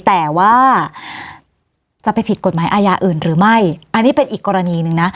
แต่ว่าจะไปผิดกฎหมายอาญาอื่นหรือไม่อันนี้เป็นอีกกรณีหนึ่งนะ